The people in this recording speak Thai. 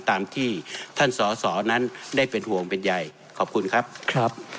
ตามที่ท่านสอสอนั้นได้เป็นห่วงเป็นใหญ่ขอบคุณครับครับ